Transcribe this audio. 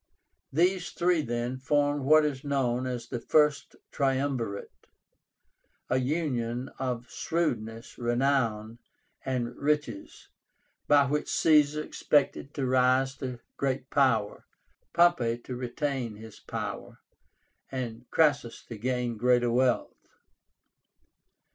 These three then formed what is known as the FIRST TRIUMVIRATE, "a union of shrewdness, renown, and riches," by which Caesar expected to rise to great power, Pompey to retain his power, and Crassus to gain greater wealth.